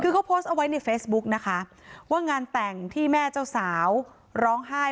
คือเขาโพสต์เอาไว้ในเฟซบุ๊กนะคะว่างานแต่งที่แม่เจ้าสาวร้องไห้